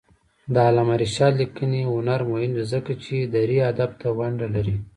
د علامه رشاد لیکنی هنر مهم دی ځکه چې دري ادب ته ونډه لري.